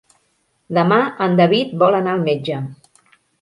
Demà en David vol anar al metge.